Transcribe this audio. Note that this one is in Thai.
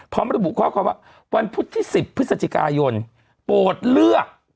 พร้อมระบุข้อความว่าวันพุธที่๑๐พฤศจิกายนโปรดเลือก